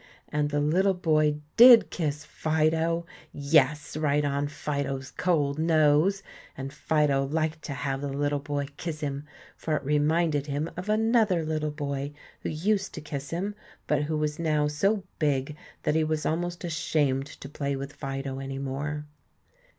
And the little boy did kiss Fido, yes, right on Fido's cold nose; and Fido liked to have the little boy kiss him, for it reminded him of another little boy who used to kiss him, but who was now so big that he was almost ashamed to play with Fido any more.